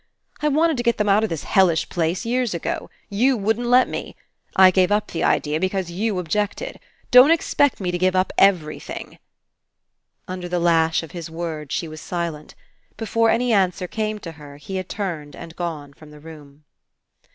I wanted to get them out of this hellish place years ago. You wouldn't let me. I gave up the idea, because you objected. Don't expect me to give up every thing." Under the lash of his words she was silent. Before any answer came to her, he had turned and gone from the room.